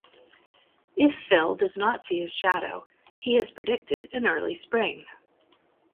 If Phil does not see his shadow, he has predicted an early spring.